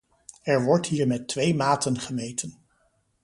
Er wordt hier met twee maten gemeten.